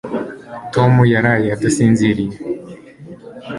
tom yaraye adasinziriye